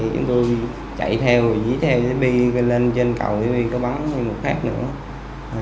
chúng tôi chạy theo dí theo lên trên cầu tp bắn một phát nữa